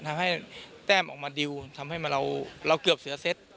ทำให้แต้มออกมาดิวทำให้เราเกือบเสียเซต